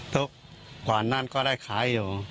ทุกวันนั่นก็ได้ขาย